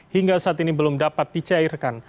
hingga saat ini belum dapat dicairkan